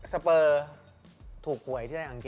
เปอร์ถูกหวยที่ได้อังก